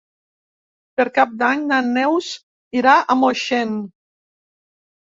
Per Cap d'Any na Neus irà a Moixent.